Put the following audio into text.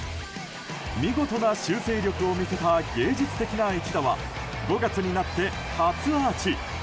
見事な修正力を見せた芸術的な一打は５月になって初アーチ。